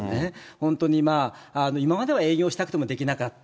本当に今までは営業したくてもできなかった。